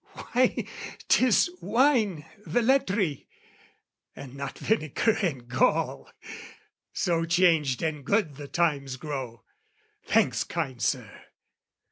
why, 'tis wine, Velletri, and not vinegar and gall, So changed and good the times grow! Thanks, kind Sir!